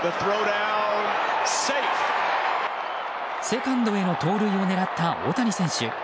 セカンドへの盗塁を狙った大谷選手。